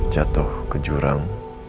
jatuh ke jurang